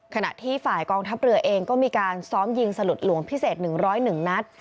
ขณะที่ฝ่ายกองทัพเรือเองก็มีการซ้อมยิงสลุดหลวงพิเศษ๑๐๑นัด